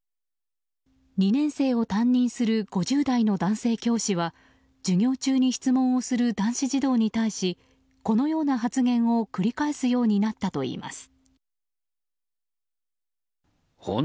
２年生を担任する５０代の男性教師は授業中に質問をする男子児童に対しこのような発言を繰り返すようになったといいます。